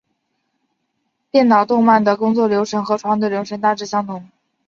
电脑动画的工作流程和传统流程大致相同。